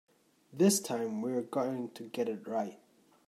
This time we're going to get it right.